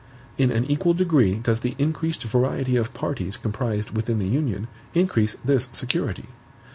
In an equal degree does the increased variety of parties comprised within the Union, increase this security.